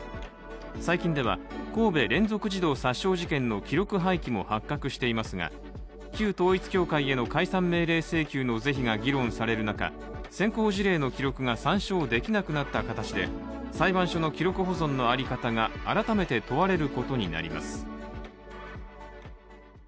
最近では神戸連続児童殺傷事件の記録廃棄も発覚していますが旧統一教会への解散命令請求の是非が議論される中先行事例の記録が参照できなくなった形で裁判所の記録保存の在り方が改めて問われることになります。